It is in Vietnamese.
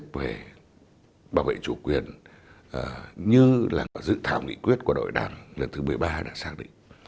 về bảo vệ chủ quyền như là dự thảo nghị quyết của đội đảng lần thứ một mươi ba đã xác định